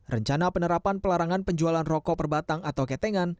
rencana penerapan pelarangan penjualan rokok perbatang atau ketengan